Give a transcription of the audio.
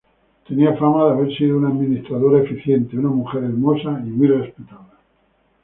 Tenía fama de haber sido una administradora eficiente, una mujer hermosa y muy respetada.